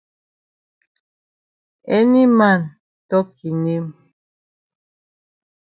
Any man tok e name.